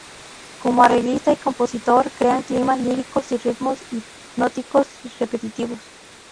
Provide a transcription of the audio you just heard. Como arreglista y compositor crea climas líricos y ritmos hipnóticos y repetitivos.